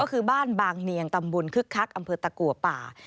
ก็คือบ้านบางเนียงตำบลคึกคักอำเภอตะกัวป่า